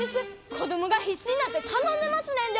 子供が必死になって頼んでますねんで！